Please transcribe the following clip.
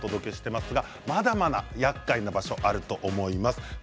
まだまだやっかいな場所があると思います。